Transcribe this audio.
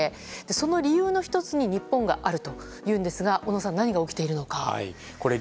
その理由の１つに日本があるというんですが小野さん何が起きているんでしょうか？